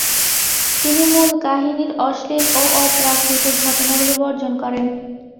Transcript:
তিনি মূল কাহিনীর অশ্লীল ও অপ্রাকৃত ঘটনাবলী বর্জন করেন।